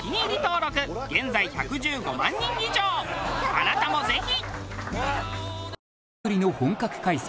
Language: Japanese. あなたもぜひ！